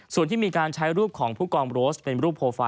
ส่วนที่มีการใช้รูปของผู้กองโรสเป็นรูปโปรไฟล